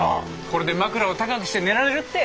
これで枕を高くして寝られるって。